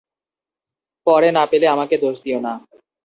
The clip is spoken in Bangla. পরে না পেলে আমাকে দোষ দিও না।